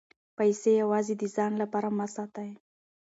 پیسې یوازې د ځان لپاره مه ساتئ.